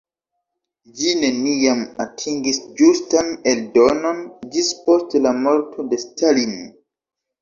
Ĝi neniam atingis ĝustan eldonon ĝis post la morto de Stalin.